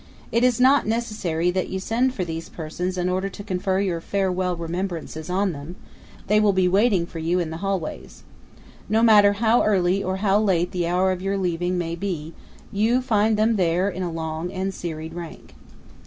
It is not necessary that you send for these persons in order to confer your farewell remembrances on them; they will be waiting for you in the hallways. No matter how early or late the hour of your leaving may be, you find them there in a long and serried rank.